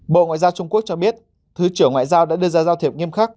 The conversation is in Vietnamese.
bộ ngoại giao trung quốc cho biết thứ trưởng ngoại giao đã đưa ra giao thiệp nghiêm khắc